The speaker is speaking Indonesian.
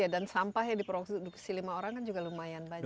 dan sampah yang diproduksi lima orang kan juga lumayan banyak